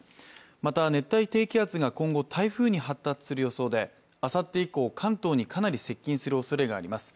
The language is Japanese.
また熱帯低気圧が今後、台風に発達する予想であさって以降、関東にかなり接近するおそれがあります。